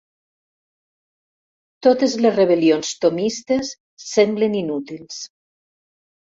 Totes les rebel·lions tomistes semblen inútils.